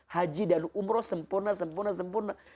haji dan umroh sempurna sempurna sempurna